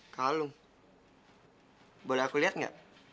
kalung boleh aku lihat nggak